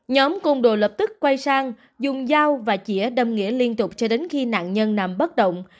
nhóm côn đồ lập tức quay sang dùng dao và chĩa đâm nghĩa liên tục cho đến khi nạn nhân nằm bất động